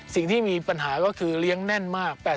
สิ่งที่มีปัญหาก็คือเลี้ยงแน่นมาก